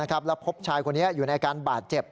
แล้วพบชายคนนี้อยู่ในอาการบาดเจ็บ